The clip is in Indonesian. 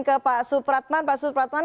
ke pak supratman pak supratman